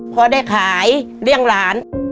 พอได้ขายเลี้ยงหลาน